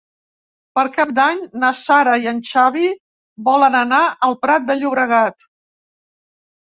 Per Cap d'Any na Sara i en Xavi volen anar al Prat de Llobregat.